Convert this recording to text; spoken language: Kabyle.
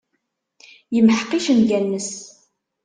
Yemḥeq icenga-nnes.